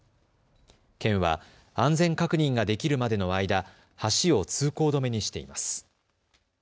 県は安全確認ができるまでの間、橋を通行止めにしています。